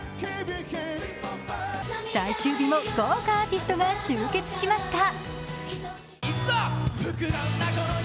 最終日も豪華アーティストが集結しました。